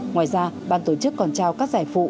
ngoài ra ban tổ chức còn trao các giải phụ